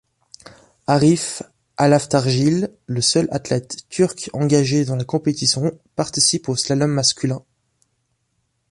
Arif Alaftargil, le seul athlète turque engagé dans la compétition, participe au slalom masculin.